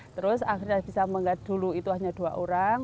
terus akhirnya bisa menggait dulu itu hanya dua orang